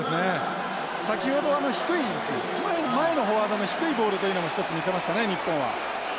先ほど低い位置前のフォワードの低いボールというのも一つ見せましたね日本は。